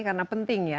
karena penting ya